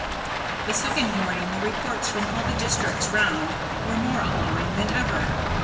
The second morning the reports from all the districts round were more alarming than ever.